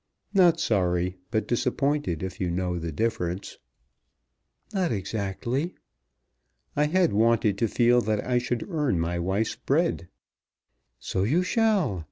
"Not sorry, but disappointed, if you know the difference." "Not exactly." "I had wanted to feel that I should earn my wife's bread." "So you shall.